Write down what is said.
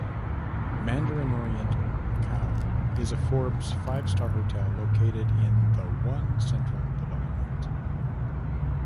Mandarin Oriental, Macau is a Forbes Five-Star hotel located in the One Central development.